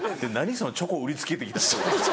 そのチョコ売りつけて来た人。